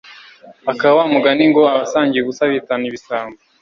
aka wa mugani ngo “abasangiye ubusa bitana ibisambo